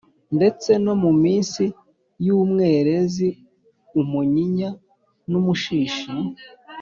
ndetse no mu nsi y’umwerezi, umunyinya n’umushishi,